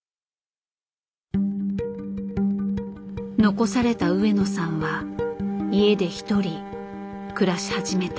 残された上野さんは家で独り暮らし始めた。